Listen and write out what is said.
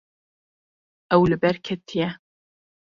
Ew li ber ketiye.